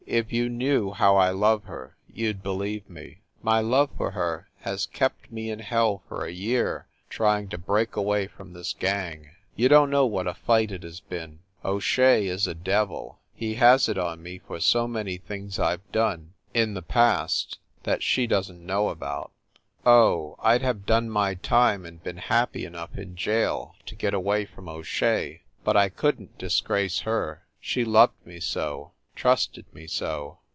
"If you knew how I love her, you d believe me. My love for her has kept me in hell for a year trying to break away from this gang. You don t know what a fight it has been. O Shea is a devil he has it on me for so many things I ve done in the past that she doesn t know about. Oh, I d have done my time and been happy enough in jail to get away from O Shea, but I couldn t disgrace her; she loved me so trusted me so.